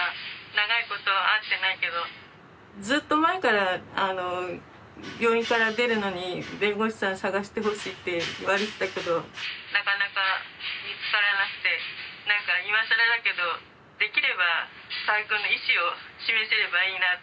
長いこと会ってないけどずっと前から病院から出るのに弁護士さん探してほしいって言われてたけどなかなか見つからなくて何か今更だけどできれば河合くんの意思を示せればいいなと思うんですけども。